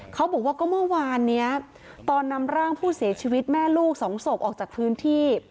เขาบอกว่าก็เมื่อวานนี้ตอนนำร่างผู้เสียชีวิตแม่ลูกสองศพออกจากพื้นที่